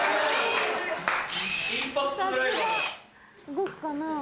動くかなぁ。